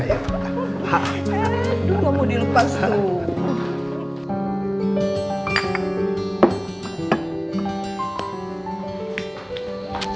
aduh gak mau dilepas tuh